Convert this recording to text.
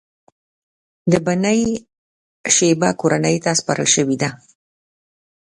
د بنی شیبه کورنۍ ته سپارل شوې ده.